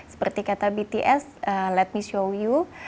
seperti kata bts let me show you